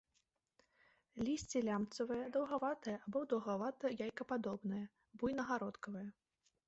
Лісце лямцавае, даўгаватае або даўгавата-яйкападобнае, буйна-гародкавае.